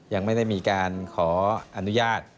ยังไม่ได้มีการขออนุญาต